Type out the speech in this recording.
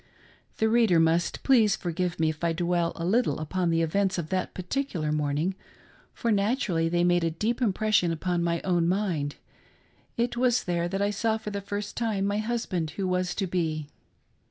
The reader must please for give me if I dwell a little upon the events of that particular morning, for naturally they made a deep impression upon my own mind — it was there that I saw for the first time my hus band who was to be.